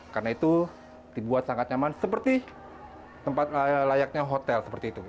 karena itu dibuat sangat nyaman seperti tempat layaknya hotel